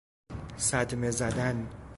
صدمه زدن